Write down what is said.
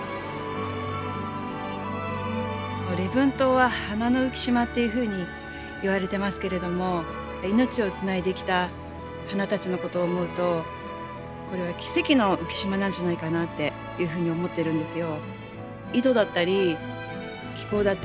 礼文島は花の浮島っていうふうにいわれてますけれども命をつないできた花たちのことを思うとこれは奇跡の浮島なんじゃないかなっていうふうに思ってるんですよ。